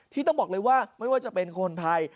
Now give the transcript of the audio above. ต้องบอกเลยว่าไม่ว่าจะเป็นคนไทย